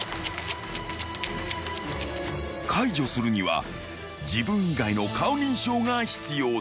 ［解除するには自分以外の顔認証が必要だ］